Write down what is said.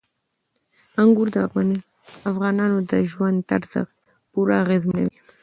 انګور د افغانانو د ژوند طرز پوره اغېزمنوي.